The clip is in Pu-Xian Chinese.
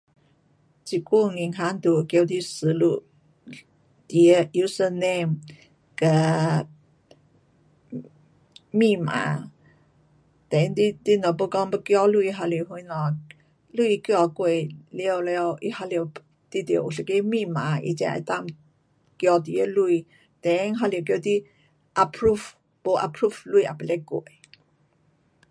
这久银行就叫你输入，你的 username 跟密码，then 你你若要讲要寄钱还是什么，钱寄过完了，你还得，你得有一个密码，它才能够寄你的钱，then 还要叫你 approve, 没 approve 钱也不得过。